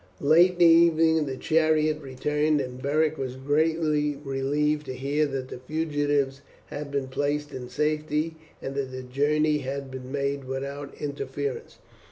Late in the evening the chariot returned, and Beric was greatly relieved to hear that the fugitives had been placed in safety and that the journey had been made without interference.